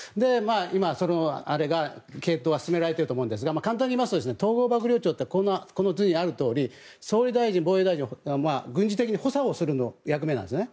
今、検討が進められていると思うんですが簡単に言いますと統合幕僚長ってこの図にあるように総理大臣、防衛大臣を軍事的に補佐するのが役割なんですね。